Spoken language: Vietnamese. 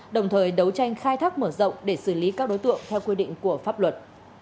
đồng thời đấu tranh khai thác mở rộng để xử lý các đối tượng theo quy định của pháp luật